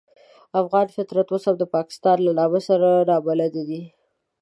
افغان فطرت اوس هم د پاکستان له نامه سره نابلده دی.